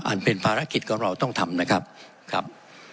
เป็นภารกิจของเราต้องทำนะครับครับ